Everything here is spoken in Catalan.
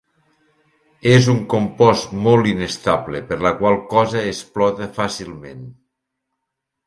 És un compost molt inestable per la qual cosa explota fàcilment.